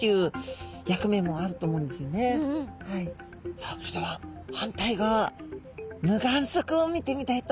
さあそれでは反対側無眼側を見てみたいと思います。